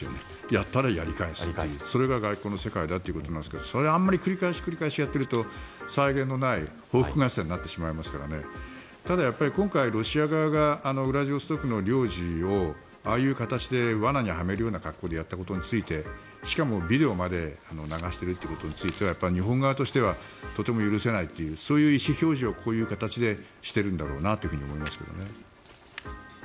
やったらやり返すというそれが外交の世界なんですがそれをあまり繰り返し繰り返しやっていると際限のない報復合戦になってしまいますからただ今回、ロシア側がウラジオストクの領事をああいう形で罠にはめるような格好でやったことについてしかもビデオまで流していることについてはやっぱり日本側としてはとても許せないという意思表示をこういう形でしているんだろうと思いますけどね。